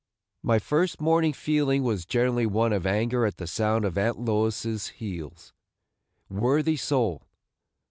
My first morning feeling was generally one of anger at the sound of Aunt Lois's heels, worthy soul!